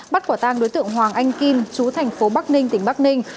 bắt quả tang đối tượng hoàng anh kim chú thành phố bắc ninh tỉnh bắc ninh